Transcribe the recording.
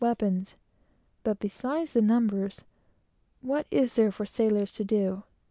But beside the numbers, what is there for sailors to do?